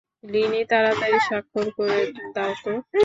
Linyi, তাড়াতাড়ি স্বাক্ষর করে দাওতো।